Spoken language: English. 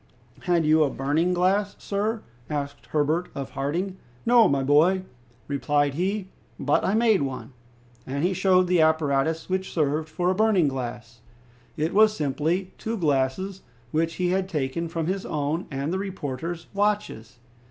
"Had you a burning glass, sir?" asked Herbert of Harding. "No, my boy," replied he, "but I made one." And he showed the apparatus which served for a burning glass. It was simply two glasses which he had taken from his own and the reporter's watches.